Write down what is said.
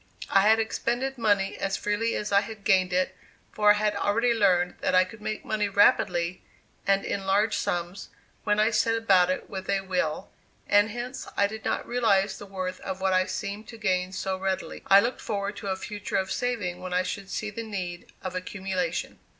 I had expended money as freely as I had gained it, for I had already learned that I could make money rapidly and in large sums, when I set about it with a will, and hence I did not realize the worth of what I seemed to gain so readily. I looked forward to a future of saving when I should see the need of accumulation.